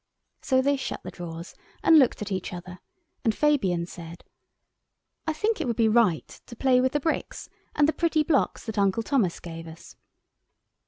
So they shut the drawers and looked at each other, and Fabian said, "I think it would be right to play with the bricks and the pretty blocks that Uncle Thomas gave us."